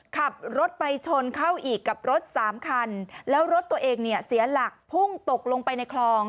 ขับรถไปชนเข้าอีกกับรถสามคันแล้วรถตัวเองเนี่ยเสียหลักพุ่งตกลงไปในคลอง